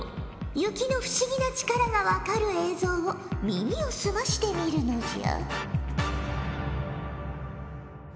雪の不思議な力が分かる映像を耳をすまして見るのじゃ。